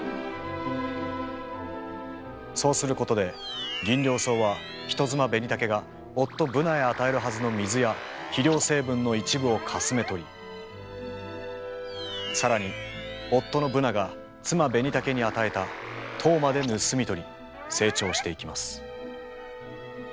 そうすることでギンリョウソウは人妻ベニタケが夫ブナへ与えるはずの水や肥料成分の一部をかすめ取り更に夫のブナが妻ベニタケに与えた糖まで盗み取り成長していきます。